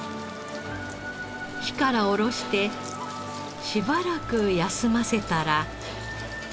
火からおろしてしばらく休ませたら。